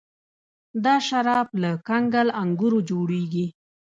دا شراب له کنګل انګورو جوړیږي.